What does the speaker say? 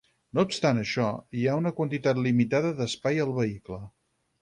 No obstant això, hi ha una quantitat limitada d'espai al vehicle.